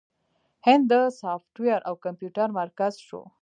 هند د سافټویر او کمپیوټر مرکز شو.